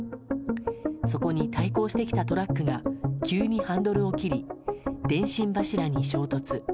そこに対抗してきたトラックが急にハンドルを切り電信柱に衝突。